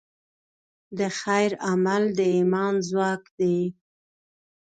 د خیر عمل د ایمان ځواک دی.